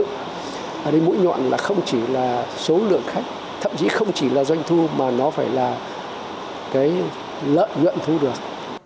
ở đây mũi nhọn là không chỉ là số lượng khách thậm chí không chỉ là doanh thu mà nó phải là cái lợi nhuận thu được